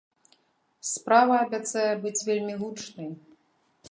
Справа абяцае быць вельмі гучнай.